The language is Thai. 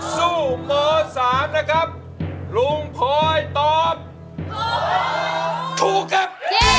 ลุงปลอยร์ค่ะลุงปลอยร์ได้ขึ้นมา